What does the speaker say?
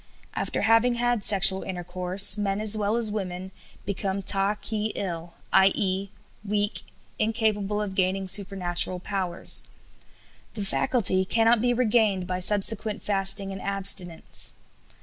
After having had sexual intercourse men as well as women, become t 'k e 'el, i.e., weak, incapable of gaining supernatural powers. The faculty cannot be regained by subsequent fasting and abstinence."